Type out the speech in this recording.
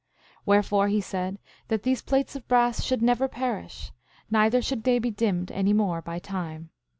5:19 Wherefore, he said that these plates of brass should never perish; neither should they be dimmed any more by time.